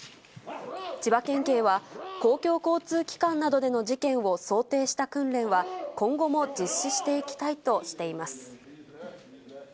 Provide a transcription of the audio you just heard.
千葉県警は、公共交通機関などでの事件を想定した訓練は、今後も実施していきたいとしています。